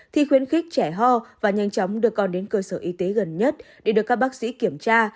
thì khuyến khích trẻ ho và nhanh chóng đưa con đến cơ sở y tế gần nhất để được các bác sĩ kiểm tra